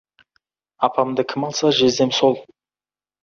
Апамды кім алса, жездем сол.